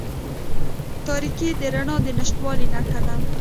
تاریکې د رڼا د نشتوالي نښه ده.